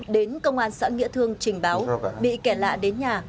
đến công an xã nghĩa thương trình báo bị kẻ lạ đến nhà